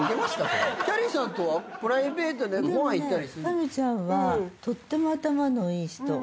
ぱみゅちゃんはとっても頭のいい人。